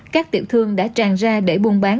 các tiệm thương đã tràn ra để buôn bán